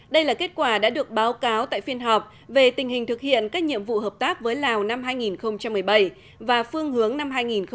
đây là kết quả đã được báo cáo tại phiên họp về tình hình thực hiện các nhiệm vụ hợp tác với lào năm hai nghìn một mươi bảy và phương hướng năm hai nghìn một mươi chín